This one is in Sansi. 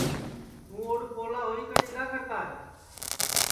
توں اوڈؔ پولا ہوئی کن اِدؔا کرتا ہے